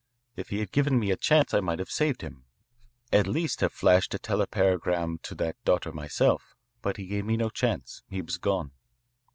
If he had given me a chance I might have saved him, at least have flashed a telepagram to that daughter myself, but he gave me no chance. He was gone.